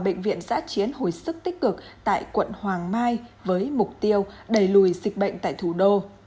bệnh viện giã chiến hồi sức tích cực tại quận hoàng mai với mục tiêu đẩy lùi dịch bệnh tại thủ đô